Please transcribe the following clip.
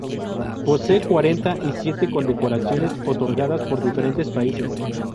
Posee cuarenta y siete condecoraciones otorgadas por diferentes países.